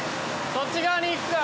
そっち側に行くから。